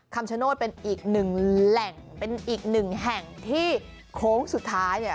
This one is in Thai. คำชโนธเป็นอีกหนึ่งแหล่งเป็นอีกหนึ่งแห่งที่โค้งสุดท้ายเนี่ย